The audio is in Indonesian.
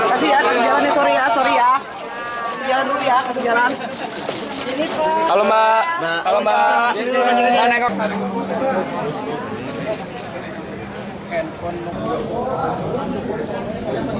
kasih jalan ya mas